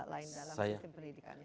lain dalam sistem pendidikan